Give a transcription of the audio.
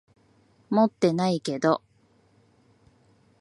持ってないけど。